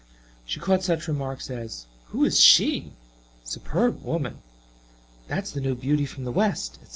She caught such remarks as, "Who is she?" "Superb woman!" "That is the new beauty from the west," etc.